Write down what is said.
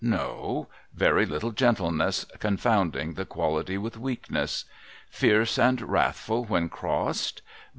No; very little gentleness, confounding the quality with weakness. Fierce and wrathful when crossed?